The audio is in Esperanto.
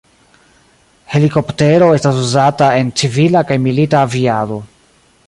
Helikoptero estas uzata en civila kaj milita aviado.